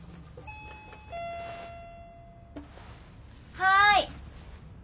はい！